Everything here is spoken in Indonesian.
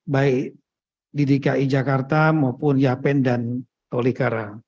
baik di dki jakarta maupun yapen dan tolikara